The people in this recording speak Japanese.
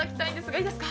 いいですか。